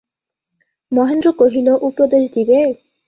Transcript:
মহেন্দ্র কহিল, উপদেশ দিবে?